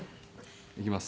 いきます。